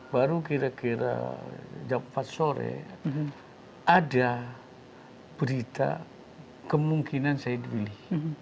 baru kira kira jam empat sore ada berita kemungkinan saya dipilih